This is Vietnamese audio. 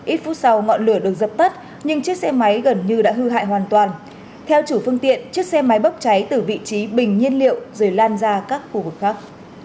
ít phút sau ngọn lửa được dập tắt nhưng chiếc xe máy gần như đã hư hại hoàn toàn theo chủ phương tiện chiếc xe máy bốc cháy từ vị trí bình nhiên liệu rồi lan ra các khu vực khác